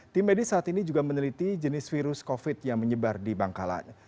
tim medis saat ini juga meneliti jenis virus covid yang menyebar di bangkalan